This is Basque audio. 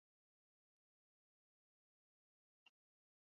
Hirugarren Gerra Karlistan Lizarra hartu zuen eta, gero, armada utzi.